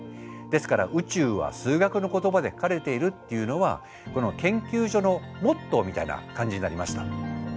ですから「宇宙は数学の言葉で書かれている」っていうのはこの研究所のモットーみたいな感じになりました。